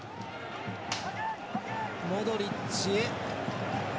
モドリッチ。